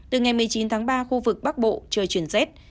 từ ngày một mươi chín tháng ba khu vực bắc bộ trời chuyển rét